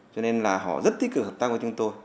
cho nên là họ rất tích cực hợp tác với chúng tôi